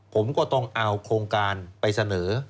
ผมก็ต้องเอาโครงการไปเสนอ